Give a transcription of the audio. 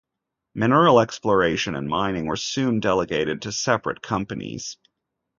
Mineral exploration and mining were soon delegated to separate companies.